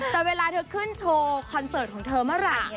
แต่เวลาเธอขึ้นโชว์คอนเสิร์ตของเธอเมื่อไหร่เนี่ย